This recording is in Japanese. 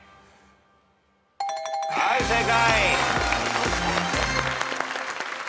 はい正解。